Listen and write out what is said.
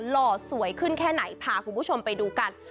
หล่อสวยขึ้นแค่ไหนพาคุณผู้ชมไปดูกัน